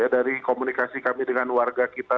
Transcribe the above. dari komunikasi kami dengan warga kita